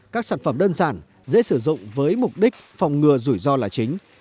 các sản phẩm đơn giản dễ sử dụng với mục đích phòng ngừa rủi ro là chính